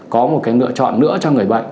có một cái lựa chọn nữa cho người bệnh